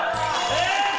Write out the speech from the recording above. えっ？